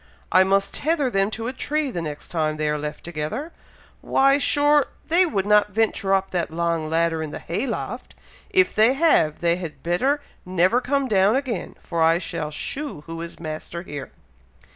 I must tether them to a tree the next time they are left together! Why! sure! they would not venture up that long ladder in the hay loft! If they have, they had better never come down again, for I shall shew who is master here."